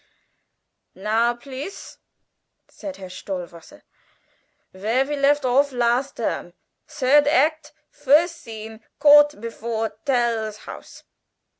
"Now, please," said Herr Stohwasser, "where we left off last term. Third act, first scene Court before Tell's house.